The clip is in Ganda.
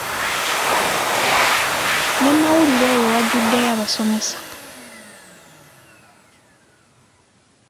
Ne mu mawulire eyo wajjuddeyo basomesa.